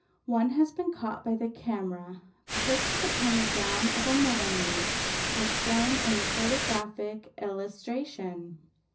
One has been caught by the camera, perched upon the down of a mullein leaf, as shown in the photographic illustration.